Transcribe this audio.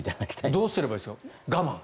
どうすればいいですか我慢？